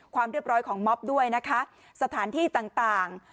ความเรียบร้อยของม็อบด้วยนะคะสถานที่ต่าง